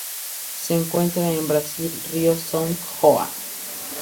Se encuentra en el Brasil: río São João.